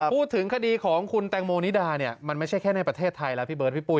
พูดถึงคดีของคุณแตงโมนิดาเนี่ยมันไม่ใช่แค่ในประเทศไทยแล้วพี่เบิร์ดพี่ปุ๊